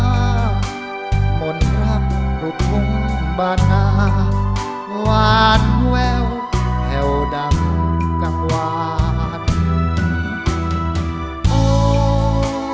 หมดรักลูกทุกข์บ้านาหวานแววแห่วดำกังหวาน